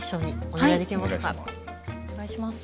お願いします。